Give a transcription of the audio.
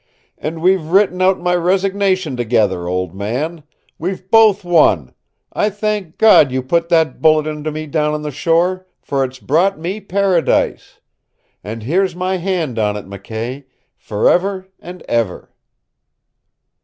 "And we've written out my resignation together, old man. We've both won. I thank God you put that bullet into me down on the shore, for it's brought me paradise. And here's my hand on it, McKay forever and ever!"